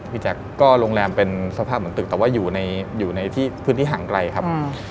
แจ๊คก็โรงแรมเป็นสภาพเหมือนตึกแต่ว่าอยู่ในที่พื้นที่ห่างไกลครับ